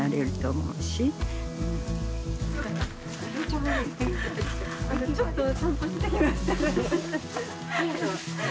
ちょっと散歩してきました。